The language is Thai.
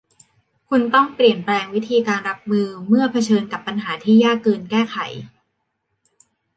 คุณต้องเปลี่ยนแปลงวิธีการรับมือเมื่อเผชิญกับปัญหาที่ยากเกินแก้ไข